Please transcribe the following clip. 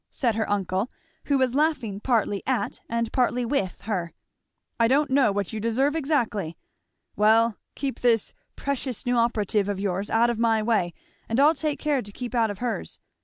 said her uncle, who was laughing partly at and partly with her, "I don't know what you deserve exactly. Well keep this precious new operative of yours out of my way and I'll take care to keep out of hers.